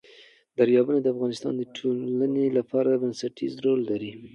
دریابونه د افغانستان د ټولنې لپاره بنسټيز رول لري.